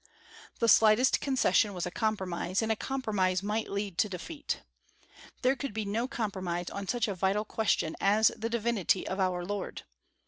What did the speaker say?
The slightest concession was a compromise, and a compromise might lead to defeat. There could be no compromise on such a vital question as the divinity of our Lord.